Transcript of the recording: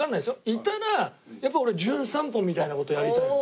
いたらやっぱ俺『じゅん散歩』みたいな事やりたいの。